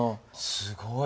すごい！